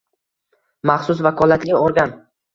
Maxsus vakolatli organ: